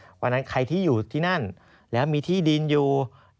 เพราะฉะนั้นใครที่อยู่ที่นั่นแล้วมีที่ดินอยู่